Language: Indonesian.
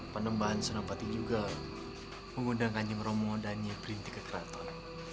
panembahan sunan muria juga mengundang kanjeng romo dan nyai berintik ke keraton